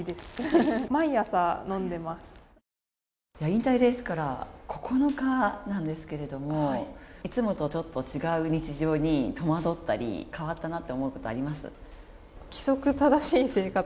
引退レースから９日なんですけれども、いつもとちょっと違う日常に戸惑ったり変わったなって思うことありますか？